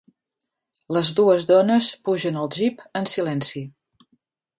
Les dues dones pugen al jeep en silenci.